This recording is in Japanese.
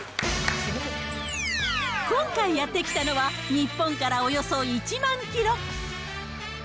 今回やって来たのは、日本からおよそ１万キロ。